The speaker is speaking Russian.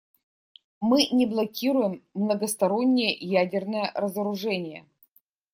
Мы не блокируем многостороннее ядерное разоружение.